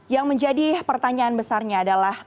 yang menjadi pertanyaan besarnya adalah